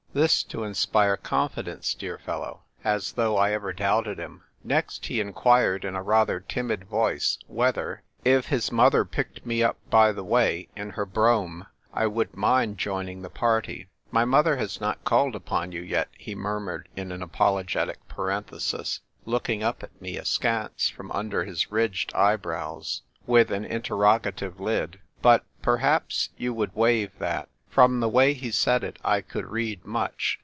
This to inspire confidence, dear fellow ! as though I ever doubted him. Next he inquired in a rather timid voice whether, if his mother picked me up by the way in her brougham, 1 would mind joining the party. " My mother has not called upon you yet," he murmured in an apologetic parenthesis, looking up at me askance from under his ridged eyebrows with an interro gative lid ;" but — perhaps you would waive that." From the way he said it I could read much.